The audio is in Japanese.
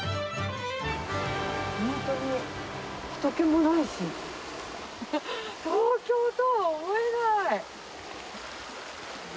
本当にひと気もないし、東京とは思えない。